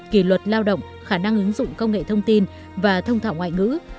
kỷ luật lao động khả năng ứng dụng công nghệ thông tin và thông thạo ngoại ngữ